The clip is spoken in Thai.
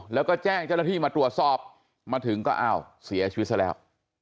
แล้วก็แจ้งเจ้าหน้าที่มาตรวจสอบมาถึงก็อ้าวเสียชีวิตซะแล้ว